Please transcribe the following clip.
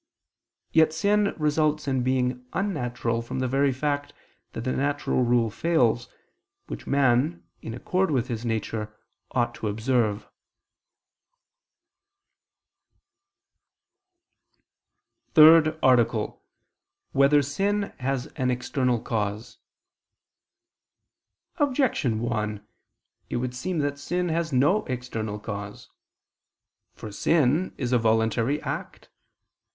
Yet sin results in being unnatural from the very fact that the natural rule fails, which man, in accord with his nature, ought to observe. ________________________ THIRD ARTICLE [I II, Q. 75, Art. 3] Whether Sin Has an External Cause? Objection 1: It would seem that sin has no external cause. For sin is a voluntary act.